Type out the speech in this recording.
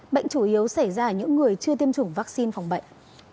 bệnh chủ yếu xảy ra ở những người chưa tiêm chủng vaccine phòng bệnh